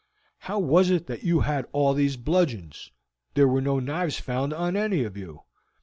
"How was it that you all had these bludgeons there were no knives found on any of you?"